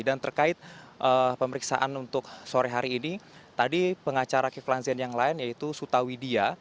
dan terkait pemeriksaan untuk sore hari ini tadi pengacara kiflan zen yang lain yaitu suta widia